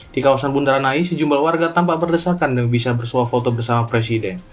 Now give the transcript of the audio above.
di kawasan bundaran nai sejumlah warga tampak berdesakan dan bisa bersuah foto bersama presiden